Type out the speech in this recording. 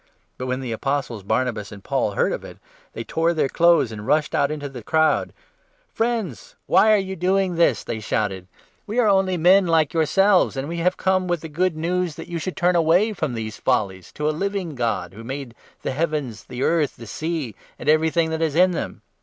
But, when the Apostles Barnabas and Paul 1,4 heard of it, they tore their clothes and rushed out into the crowd. "Friends, why are you doing this?" they shouted. "We 15 are only men like yourselves, and we have come with the Good News that you should turn away from these follies to a living God, ' who made the heavens, the earth, the sea, and everything that is in them.'